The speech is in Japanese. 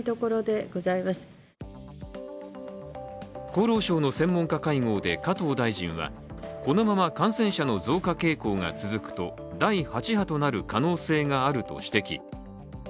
厚労省の専門家会合で加藤大臣はこのまま感染者の増加傾向が続くと第８波となる可能性があると指摘。